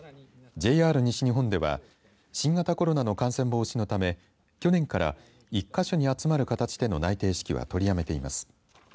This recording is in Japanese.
ＪＲ西日本では新型コロナの感染防止のため去年から１か所に集まる形での内定式は取りやめています。